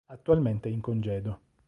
Attualmente è in congedo.